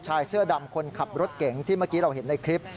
ชายเสื้อดำคนขับรถเก่งที่เมื่อกี้เราเห็นในคลิป